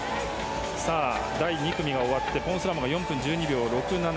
第２組が終わってポンス・ラモン４分１２秒６７。